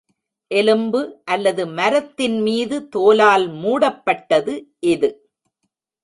எலும்பு அல்லது மரத்தின் மீது தோலால் மூடப் பட்டது இது.